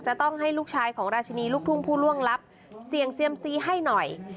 จะต้องให้ลูกชายของราชินีลูกทุ่งผู้ล่วงลับเสี่ยงเซียมซีให้หน่อย